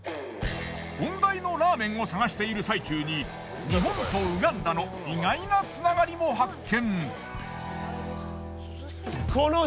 問題のラーメンを探している最中に日本とウガンダの意外な繋がりも発見。